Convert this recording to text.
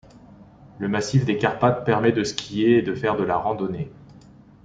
Le massif des Carpates permet de skier et de faire de la randonnée.